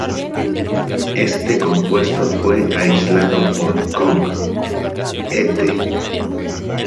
Este compuesto fue aislado por Kong "et.